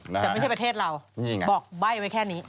แต่ไม่ใช่ประเทศเรานี่ไงบอกใบ้ไว้แค่นี้